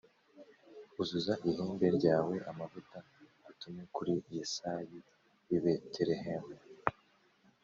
Uzuza ihembe ryawe amavuta ngutume kuri Yesayi w’i Betelehemu